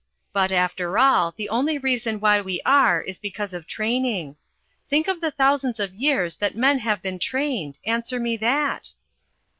But, after all, the only reason why we are is because of training. Think of the thousands of years that men have been trained. Answer me that?"